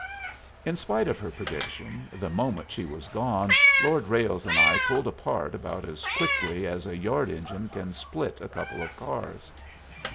In spite of her prediction, the moment she was gone Lord Ralles and I pulled apart about as quickly as a yard engine can split a couple of cars.